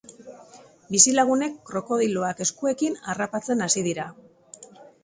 Bizilagunek krokodiloak eskuekin harrapatzen hasi dira.